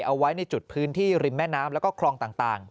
เอาไว้ในจุดพื้นที่ริมแม่น้ำแล้วก็คลองต่าง